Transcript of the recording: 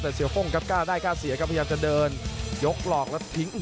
แต่เสียโป้งครับกล้าได้กล้าเสียครับพยายามจะเดินยกหลอกแล้วทิ้ง